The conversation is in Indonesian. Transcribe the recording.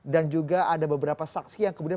dan juga ada beberapa saksi yang kemudian